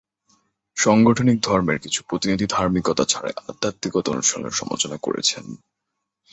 সংগঠিত ধর্মের কিছু প্রতিনিধি ধার্মিকতা ছাড়াই আধ্যাত্মিকতা অনুশীলনের সমালোচনা করেছেন।